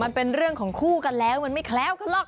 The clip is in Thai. มันเป็นเรื่องของคู่กันแล้วมันไม่แคล้วกันหรอก